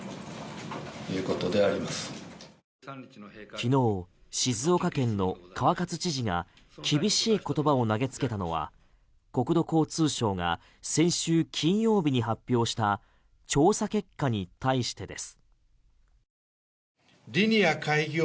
昨日、静岡県の川勝知事が厳しい言葉を投げつけたのは国土交通省が先週金曜日に発表した調査結果に対してです。